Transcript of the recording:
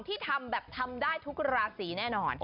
ที่ทำได้ทุกราศีแน่นอน